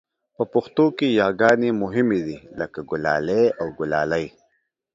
په پښتو کې یاګانې مهمې دي لکه ګلالی او ګلالۍ